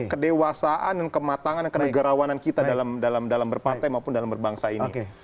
kedewasaan kematangan kebegerawanan kita dalam berpantai maupun dalam berbangsa ini